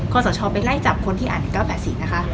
คนสะชอบไปไล่จับคนที่อ่าน๑๙๘๔นะคะ